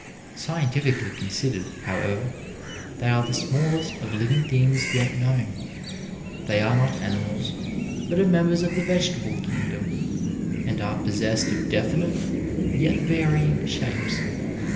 Scientifically considered, however, they are the smaDest of living things yet known. They are not animals, but are moaabers of the vegetable kingdom, and are pos sessed of definite yet varying shapes.